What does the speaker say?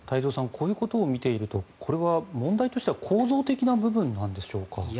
こういうことを見ているとこれは問題としては構造的な部分なんでしょうか。